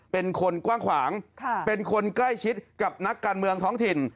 เป็นคนกว้างขวางเป็นคนใกล้ชิดกับนักการเมืองท้องถิ่น